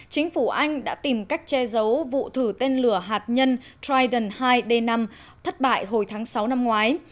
chính phủ anh đã tìm cách che giấu vụ thử tên lửa hạt nhân triden hai d năm thất bại hồi tháng sáu năm ngoái